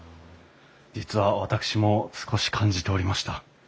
実は私も少し感じておりました。